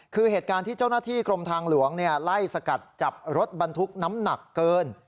คือเหตุการณ์ที่เจ้าหน้าที่กรมทางหลวงไล่สกัดจับรถบรรทุกน้ำหนักเกิน